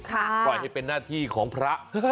ปล่อยให้เป็นหน้าที่ของพระ